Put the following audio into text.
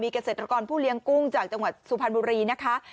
เกษตรกรผู้เลี้ยงกุ้งจากจังหวัดสุพรรณบุรีนะคะ